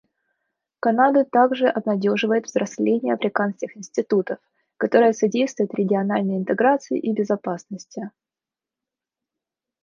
Канаду также обнадеживает взросление африканских институтов, которое содействует региональной интеграции и безопасности.